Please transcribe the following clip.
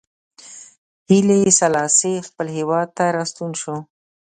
هیلي سلاسي خپل هېواد ته راستون شو.